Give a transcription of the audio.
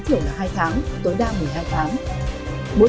thiểu là hai tháng tối đa một mươi hai tháng